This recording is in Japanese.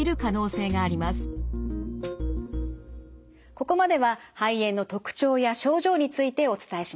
ここまでは肺炎の特徴や症状についてお伝えしました。